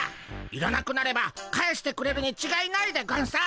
いらなくなれば返してくれるにちがいないでゴンス。